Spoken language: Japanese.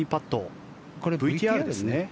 これ、ＶＴＲですね。